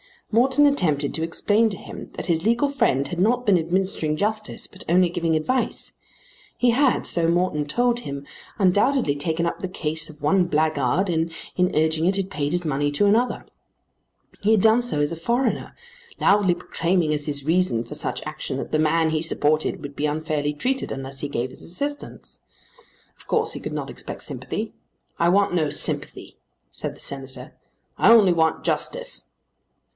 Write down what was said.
Morton attempted to explain to him that his legal friend had not been administering justice but only giving advice. He had, so Morton told him, undoubtedly taken up the case of one blackguard, and in urging it had paid his money to another. He had done so as a foreigner, loudly proclaiming as his reason for such action that the man he supported would be unfairly treated unless he gave his assistance. Of course he could not expect sympathy. "I want no sympathy," said the Senator; "I only want justice."